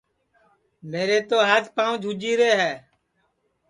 میرے تو ہات پانٚو جھوجھی رے ہے